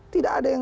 tidak ada yang